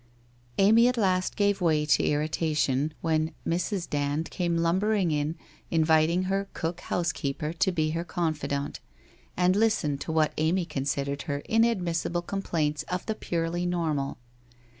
Amy at last gave way to irritation, when Mrs. Dand came lumbering in, inviting her cook housekeeper to be her confidant, and listen to what Amy considered her inadmissible complaints of the purely normal.